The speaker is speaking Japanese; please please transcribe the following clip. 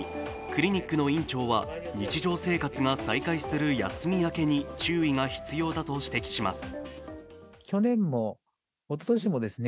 クリニックの院長は、日常生活が再開する休み明けに注意が必要だと指摘します。